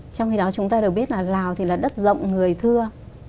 trong khi đó chúng ta được biết là lào thì là đất rộng người thưa